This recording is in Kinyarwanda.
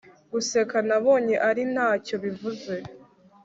guseka nabonye ari nta cyo bivuze